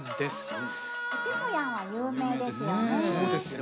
「おてもやん」は有名ですよね。